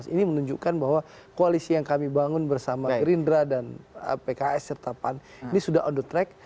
ini menunjukkan bahwa koalisi yang kami bangun bersama gerindra dan pks serta pan ini sudah on the track